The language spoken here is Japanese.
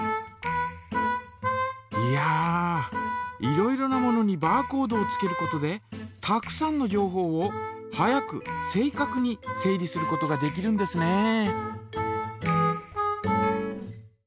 いやいろいろなものにバーコードをつけることでたくさんの情報を早く正かくに整理することができるんですね。